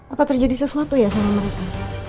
apa terjadi sesuatu ya sama mereka